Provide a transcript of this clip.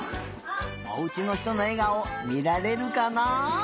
おうちのひとのえがおみられるかな？